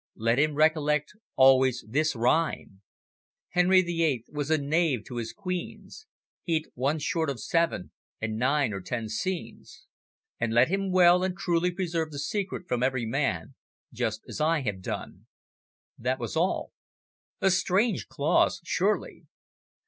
Let him recollect always this rhyme "`_Henry the Eighth was a knave to his queens, He'd, one short of seven and nine or ten scenes_!' "And let him well and truly preserve the secret from every man, just as I have done." That was all. A strange clause surely!